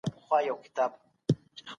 د تاریخ په اړه معقول بحثونه پیل کړئ.